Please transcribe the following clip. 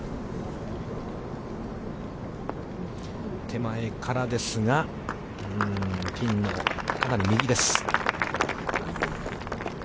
手前からですが、ピンのかなり右です。